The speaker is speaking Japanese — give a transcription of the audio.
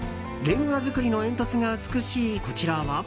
レンガ造りの煙突が美しいこちらは。